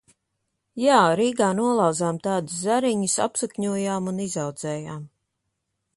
Jā, Rīgā nolauzām tādus zariņus, apsakņojām un izaudzējām.